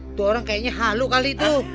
itu orang kayaknya halu kali tuh